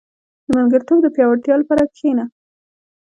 • د ملګرتوب د پياوړتیا لپاره کښېنه.